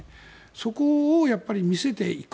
そこを見せていく。